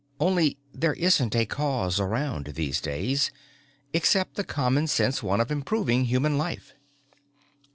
Only there isn't a Cause around, these days, except the common sense one of improving human life."